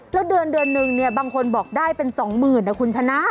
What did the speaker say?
แล้วเดือนเดือนนึงเนี่ยบางคนบอกได้เป็น๒๐๐๐นะคุณชนะ